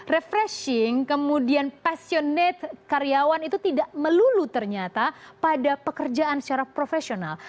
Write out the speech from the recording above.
refreshing kemudian passionate karyawan itu tidak melulu ternyata pada pekerjaan secara profesional